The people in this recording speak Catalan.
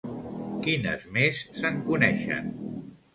Quines més se'n coneixen?